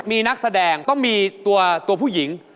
มีนักแสดงต้องมีตัวผู้หญิง